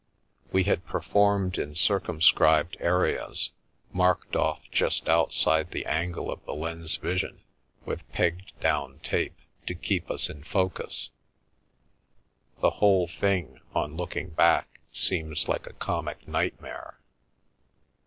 We had performed in circum scribed areas, marked off just outside the angle of the lens* vision with pegged down tape, to keep us in focus. aaO Via Amoris The whole thing, on looking back, seems like a comic nightmare.